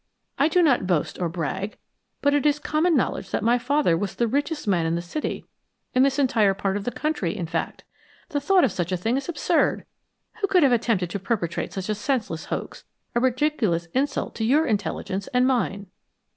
I do not boast or brag, but it is common knowledge that my father was the richest man in the city, in this entire part of the country, in fact. The thought of such a thing is absurd. Who could have attempted to perpetrate such a senseless hoax, a ridiculous insult to your intelligence and mine?"